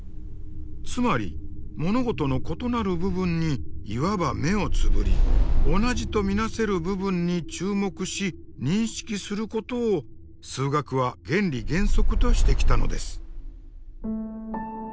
つまり物事の異なる部分にいわば目をつぶり同じと見なせる部分に注目し認識することを数学は原理原則としてきたのです。